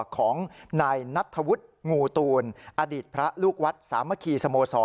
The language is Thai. ของนายนัทธวุฒิงูตูนอดีตพระลูกวัดสามัคคีสโมสร